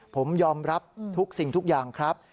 ผมยอมรับทุกสิ่งทุกอย่างครับ